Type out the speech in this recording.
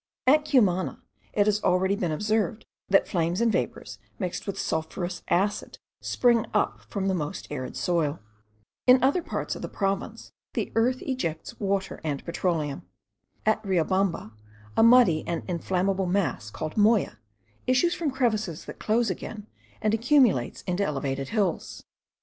At Cumana, it has already been observed that flames and vapours mixed with sulphurous acid spring up from the most arid soil. In other parts of the same province, the earth ejects water and petroleum. At Riobamba, a muddy and inflammable mass, called moya, issues from crevices that close again, and accumulates into elevated hills.